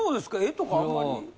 絵とかあんまり。